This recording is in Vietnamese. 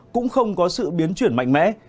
cũng không có sự biến chuyển mạnh mẽ